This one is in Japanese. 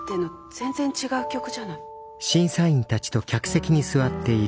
全然違う曲じゃない。